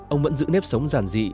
ông vẫn giữ nếp sống giản dị